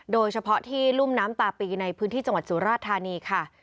โดยเฉพาะที่รุ่มน้ำตาปีในพื้นที่จังหวัดสุราชธานีค่ะ